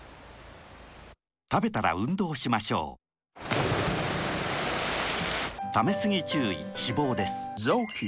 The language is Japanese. たべたら運動しましょうためすぎ注意脂肪です